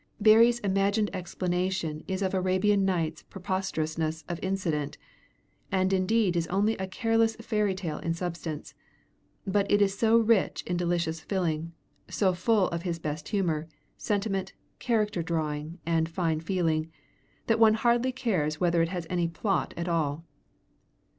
Barrie's imagined explanation is of Arabian Nights preposterousness of incident, and indeed is only a careless fairy tale in substance; but it is so rich in delicious filling, so full of his best humor, sentiment, character drawing, and fine feeling, that one hardly cares whether it has any plot at all.